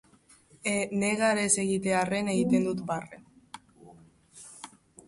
Negar ez egitearren egiten dut barre.